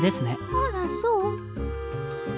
あらそう？